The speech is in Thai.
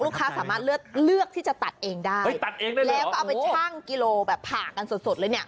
ลูกค้าสามารถเลือกที่จะตัดเองได้เฮ้ยตัดเองได้เลยเหรอแล้วก็เอาไปชั่งกิโลแบบผ่ากันสดเลยเนี่ย